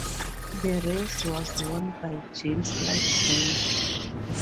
The race was won by James Lightbody.